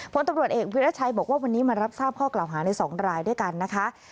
ผลตำรวจเอกวิรัชัยบอกว่าวันนี้มารับทราบข้อกล่าวหาใน๒รายด้วยกันนะคะ